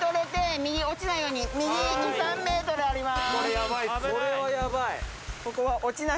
右に２３ｍあります。